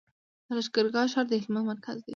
د لښکرګاه ښار د هلمند مرکز دی